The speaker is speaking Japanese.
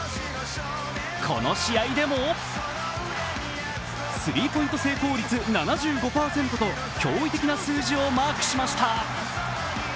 この試合でも、スリーポイント成功率７５％と驚異的な数字をマークしました。